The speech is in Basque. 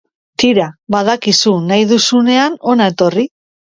Tira, badakizu, nahi duzunean, hona etorri...